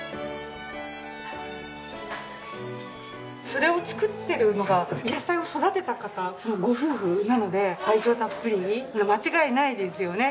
それを作ってるのが野菜を育てた方ご夫婦なので愛情たっぷり間違いないですよね。